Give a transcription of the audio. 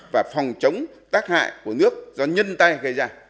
và phòng chống tác hại của nước do nhân tay gây ra